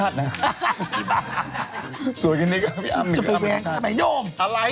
อะไรแล้วก็หน้าเขาสวยอ่ะ